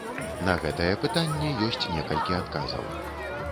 На гэтае пытанне ёсць некалькі адказаў.